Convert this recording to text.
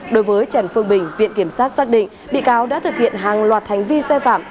đối với trần phương bình viện kiểm sát xác định bị cáo đã thực hiện hàng loạt hành vi sai phạm